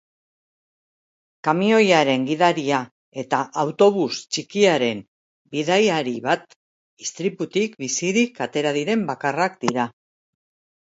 Kamioiaren gidaria eta autobus txikiaren bidaiari bat istriputik bizirik atera diren bakarrak dira.